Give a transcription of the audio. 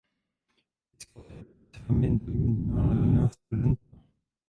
Získal si reputaci velmi inteligentního a nadaného studenta.